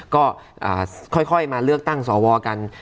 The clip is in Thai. ก็ค่อยมาเลือกตั้งสวกัน